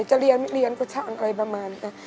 จะเรียนไม่เรียนก็ช่างอะไรประมาณนี้